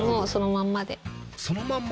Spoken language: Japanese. そのまま？